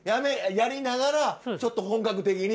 やりながらちょっと本格的に。